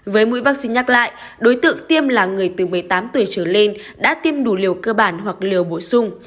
với mũi vaccine nhắc lại đối tượng tiêm là người từ một mươi tám tuổi trở lên đã tiêm đủ liều cơ bản hoặc liều bổ sung